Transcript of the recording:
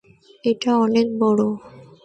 এটা অনেক বড়।